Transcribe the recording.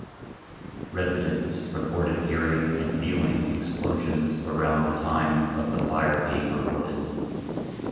Residents reported hearing and feeling explosions around the time of the fire being reported.